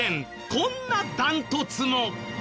こんなダントツも。